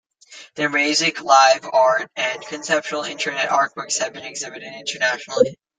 Their music, live art and conceptual Internet artworks have been exhibited internationally.